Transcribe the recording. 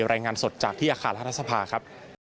รายงานสดจากที่อาคารรัฐสภาครับ